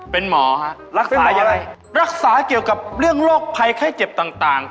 เป็นหมอฮะรักษาอะไรรักษาเกี่ยวกับเรื่องโรคภัยไข้เจ็บต่าง